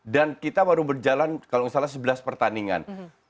dan kita baru berjalan kalau tidak salah sebelas pertandingan